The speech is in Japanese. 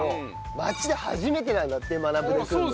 町田初めてなんだって『マナブ』で来るの。